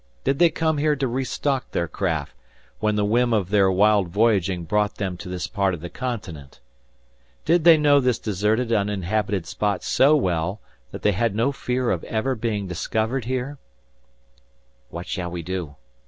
Did they come here to restock their craft, when the whim of their wild voyaging brought them to this part of the continent? Did they know this deserted, uninhabited spot so well, that they had no fear of ever being discovered here? "What shall we do?"